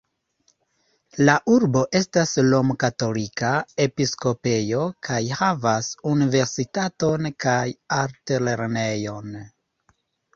La urbo estas rom-katolika episkopejo kaj havas universitaton kaj altlernejon.